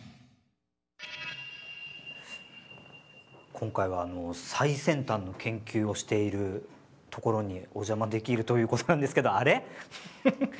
今回は最先端の研究をしているところにお邪魔できるということなんですけどあれ？